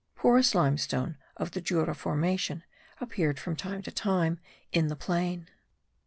Porous limestone (of the Jura formation) appeared from time to time in the plain.